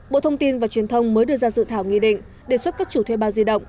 bộ thông tin và truyền thông mới đưa ra dự thảo nghị định đề xuất các chủ thuê bao di động